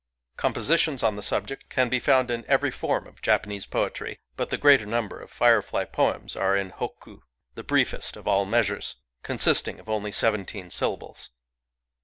Compositions on the subject can be found in every form of Japanese poetry; but the greater number of firefly poems are inbokkuy — the briefest of all measures, consist Digitized by Googk 156 FIREFLIES ing of only seventeen syllables.